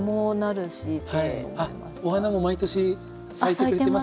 あっお花も毎年咲いてくれてます？